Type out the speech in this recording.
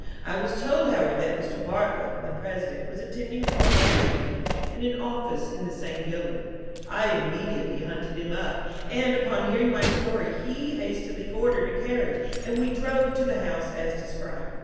I was told, however, that Mr. Bartlet, the president, was attending a corporation meeting in an office in the same building. I immediately hunted him up, and, upon hearing my story he hastily ordered a carriage and we drove to the house as described.